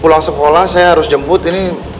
pulang sekolah saya harus jemput ini